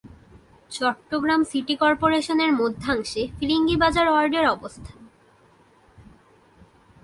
Chittagong city কর্পোরেশনের মধ্যাংশে ফিরিঙ্গি বাজার ওয়ার্ডের অবস্থান।